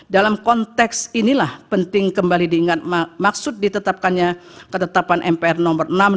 dalam konteks inilah penting kembali diingat maksud ditetapkannya ketetapan mpr nomor enam dua ribu